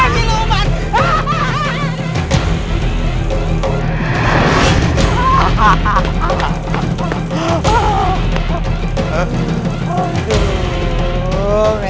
neng itu cakep